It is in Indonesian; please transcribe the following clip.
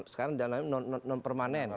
sekarang nama nama non permanen